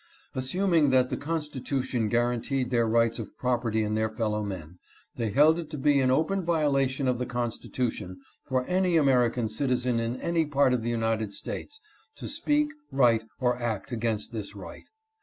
Assuming that the Constitution guaranteed their rights of property in their fellow men, they held it to be in open violation of the Constitution for any American citizen in any part of the United States to speak, write, or act against this right.